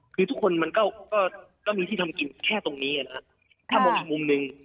คือทุกคนมันก็ก็มีที่ทำกินแค่ตรงนี้นะครับถ้ามองอีกมุมหนึ่ง